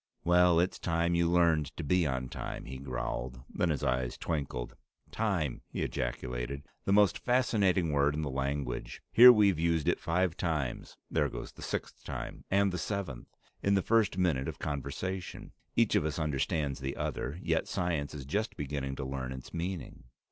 "Well, it's time you learned to be on time," he growled. Then his eyes twinkled. "Time!" he ejaculated. "The most fascinating word in the language. Here we've used it five times (there goes the sixth time and the seventh!) in the first minute of conversation; each of us understands the other, yet science is just beginning to learn its meaning.